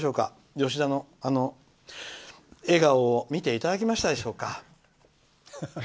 吉田の笑顔を見ていただけましたでしょうか。